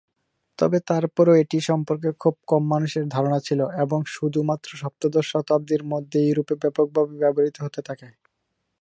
তবে তারপরেও এটি সম্পর্কে খুব কম মানুষের ধারণা ছিল এবং শুধুমাত্র সপ্তদশ শতাব্দীর মধ্যে ইউরোপে ব্যাপক ভাবে ব্যবহৃত হতে থাকে।